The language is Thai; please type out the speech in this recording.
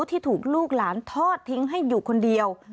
ที่ถูกลูกหลานทอดทิ้งให้อยู่คนเดียว